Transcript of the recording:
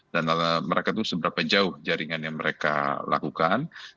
dan mereka itu seberapa jauh jaringan yang mereka lakukan